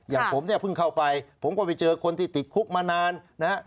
อย่างผมเนี่ยเพิ่งเข้าไปผมก็ไปเจอคนที่ติดคุกมานานนะฮะ